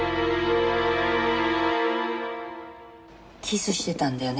キスしてたんだよね？